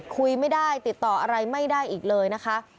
คุยไม่ได้ติดต่ออะไรไม่ได้อีกเลยนะคะ